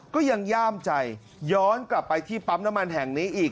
ย่ามใจย้อนกลับไปที่ปั๊มน้ำมันแห่งนี้อีก